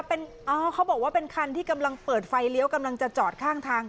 เขาบอกว่าเป็นคันที่กำลังเปิดไฟเลี้ยวกำลังจะจอดข้างทาง